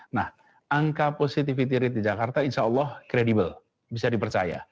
nah angka positivity rate di jakarta insya allah kredibel bisa dipercaya